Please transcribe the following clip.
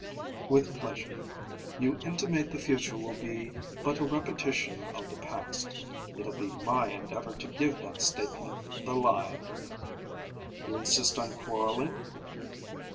"With pleasure. You intimate the future will be but a repetition of the past. It'll be my endeavor to give that statement the lie." "You insist on quarrelling?"